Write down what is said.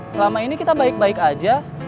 selama ini kita baik baik aja